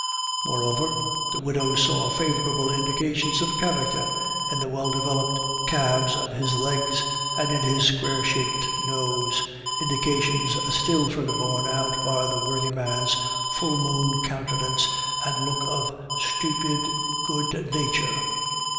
Moreover, the widow saw favorable indications of character in the well developed calves of his legs and in his square shaped nose, indications still further borne out by the worthy man's full moon countenance and look of stupid good nature.